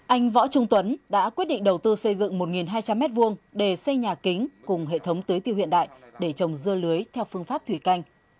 anh võ trung tuấn đã quyết định đầu tư xây dựng một hai trăm linh m hai để xây nhà kính cùng hệ thống tưới tiêu hiện đại để trồng dưa lưới theo phương pháp thủy canh